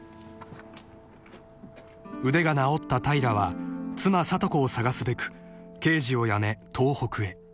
［腕が治った平は妻里子を捜すべく刑事を辞め東北へ］